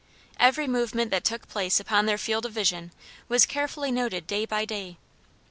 Every movement that took place upon their field of vision was carefully noted day by day.